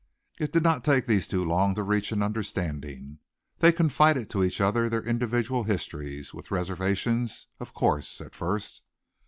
It did not take these two long to reach an understanding. They confided to each other their individual histories, with reservations, of course, at first.